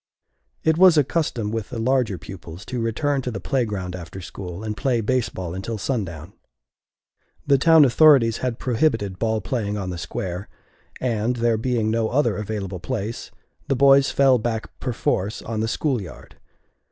It was a custom with the larger pupils to return to the playground after school, and play baseball until sundown. The town authorities had prohibited ball playing on the Square, and, there being no other available place, the boys fell back perforce on the school yard.